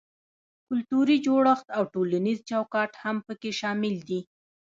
کلتوري جوړښت او ټولنیز چوکاټ هم پکې شامل دي.